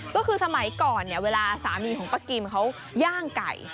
ก็คือสมัยก่อนเนี่ยเวลาสามีของป้ากิมเขาย่างไก่